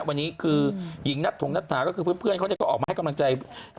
วันนี้คือหญิงนัทถงนัทถาก็คือเพื่อนเขาก็ออกมาให้กำลังใจ